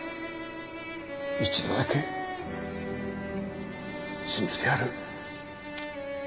一度だけ信じてやる。